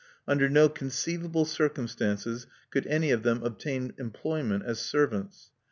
Under no conceivable circumstances could any of them obtain employment as servants.